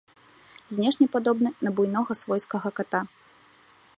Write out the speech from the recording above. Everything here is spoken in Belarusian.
Знешне падобны на буйнога свойскага ката.